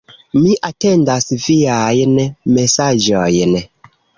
Mi atendas viajn mesaĝojn.